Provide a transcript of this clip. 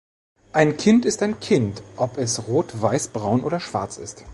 Ein Kind ist ein Kind, ob es rot, weiß, braun oder schwarz ist.